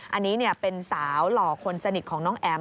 อันนี้เป็นสาวหล่อคนสนิทของน้องแอ๋ม